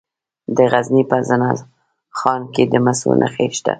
د غزني په زنه خان کې د مسو نښې شته.